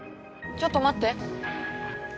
ちょっと待って！